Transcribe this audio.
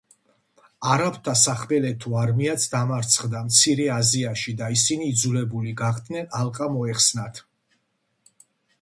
არაბთა სახმელეთო არმიაც დამარცხდა მცირე აზიაში და ისინი იძულებული გახდნენ ალყა მოეხსნათ.